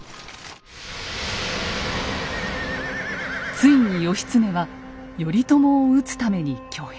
ついに義経は頼朝を討つために挙兵。